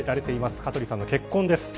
香取さんの結婚です。